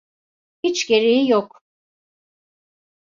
Hiç gereği yok.